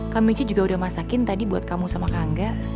kang michi juga udah masakin tadi buat kamu sama kak angga